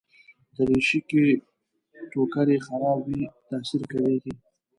دریشي که ټوکر يې خراب وي، تاثیر کمېږي.